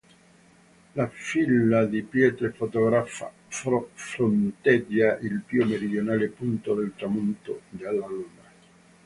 La fila di pietre fotografata fronteggia il più meridionale punto del tramonto della Luna.